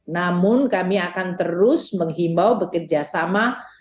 namun kami akan terus menghimbau bekerjasama